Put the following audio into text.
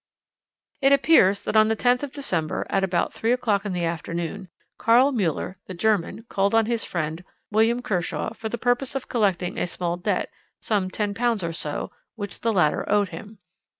"It appears that on the 10th of December, at about three o'clock in the afternoon, Karl Müller, the German, called on his friend, William Kershaw, for the purpose of collecting a small debt some ten pounds or so which the latter owed him.